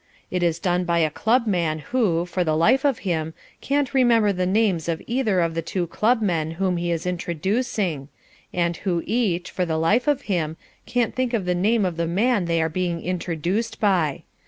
It is done by a club man who, for the life of him, can't remember the names of either of the two club men whom he is introducing, and who each, for the life of him, can't think of the name of the man they are being introduced by.